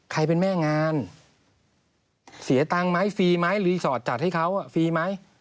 เป็นแม่งานเสียตังค์ไหมฟรีไหมรีสอร์ทจัดให้เขาฟรีไหม